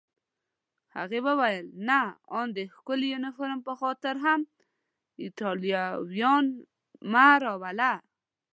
هغې وویل: نه، آن د ښکلي یونیفورم په خاطر هم ایټالویان مه راوله.